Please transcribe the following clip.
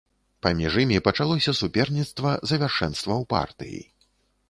Паміж імі пачалося суперніцтва за вяршэнства ў партыі.